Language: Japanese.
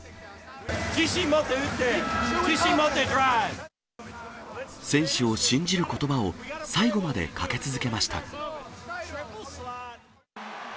自信持って打って、選手を信じることばを、最後までかけ続けました。